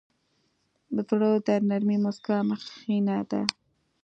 زړه د نرمې موسکا مخینه ده.